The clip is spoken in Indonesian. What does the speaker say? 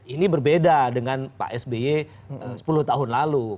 ini berbeda dengan pak sby sepuluh tahun lalu